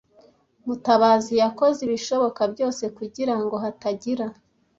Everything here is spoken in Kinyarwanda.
Mutabazi yakoze ibishoboka byose kugirango hatagira